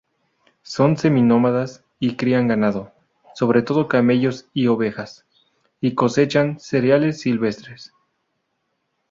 Son semi-nómadas, y crían ganado, sobre todo camellos y ovejas, y cosechan cereales silvestres.